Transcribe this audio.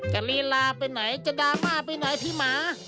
ลีลาไปไหนจะดราม่าไปไหนพี่หมา